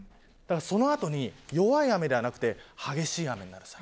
その後に、弱い雨ではなくて激しい雨になる。